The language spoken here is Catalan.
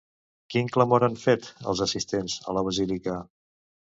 Quin clamor han fet els assistents a la basílica?